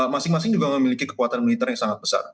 masing masing juga memiliki kekuatan militer yang sangat besar